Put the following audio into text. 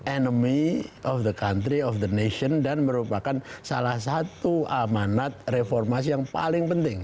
enemy of the country of the nation dan merupakan salah satu amanat reformasi yang paling penting